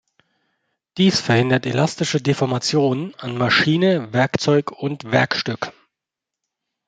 Dies verhindert elastische Deformationen an Maschine, Werkzeug und Werkstück.